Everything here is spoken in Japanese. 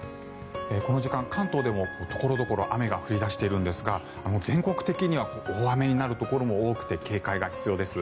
この時間、関東でも所々雨が降り出しているんですが全国的には大雨になるところも多くて警戒が必要です。